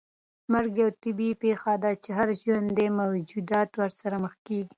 مرګ یوه طبیعي پېښه ده چې هر ژوندی موجود ورسره مخ کېږي.